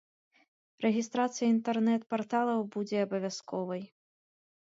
Рэгістрацыя інтэрнэт-парталаў будзе абавязковай.